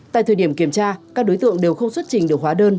tại thời điểm kiểm tra các đối tượng đều không xuất trình được hóa đơn